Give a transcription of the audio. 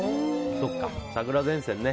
桜前線ね。